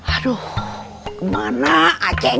aduh kemana aceng